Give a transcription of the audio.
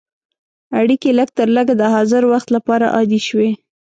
اړیکې لږترلږه د حاضر وخت لپاره عادي شوې.